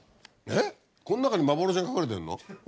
えっこの中に幻が隠れてるの？